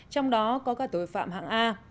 trong đó có cả tội phạm hạng a